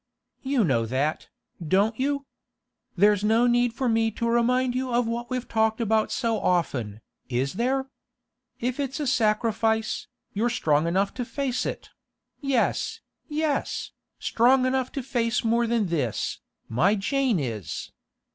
You know that, don't you? There's no need for me to remind you of what we've talked about so often, is there? If it's a sacrifice, you're strong enough to face it; yes, yes, strong enough to face more than this, my Jane is!